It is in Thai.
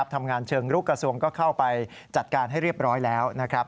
ทำงานเชิงรุกกระทรวงก็เข้าไปจัดการให้เรียบร้อยแล้วนะครับ